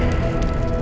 aku akan menang